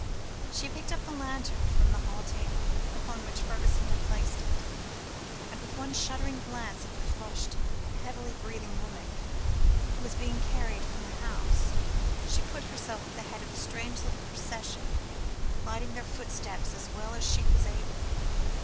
She picked up the lantern from the hall table upon which Fergusson had placed it; and, with one shuddering glance at the flushed, heavily breathing woman, who was being carried from the house, she put herself at the head of the strange little procession, lighting their footsteps as well as she was able.